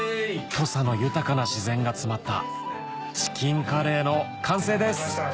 土佐の豊かな自然が詰まったチキンカレーの完成です